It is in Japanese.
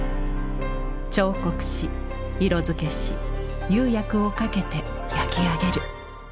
彫刻し色づけし釉薬をかけて焼き上げる。